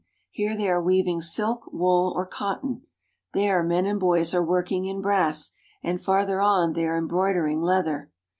Here they are weaving silk, wool, or cotton ; there men and boys are working in brass ; and farther on they are embroidering leather.